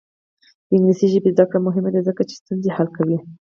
د انګلیسي ژبې زده کړه مهمه ده ځکه چې ستونزې حل کوي.